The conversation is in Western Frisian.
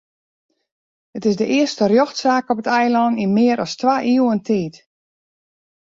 It is de earste rjochtsaak op it eilân yn mear as twa iuwen tiid.